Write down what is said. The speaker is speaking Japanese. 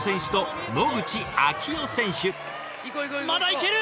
まだ行ける！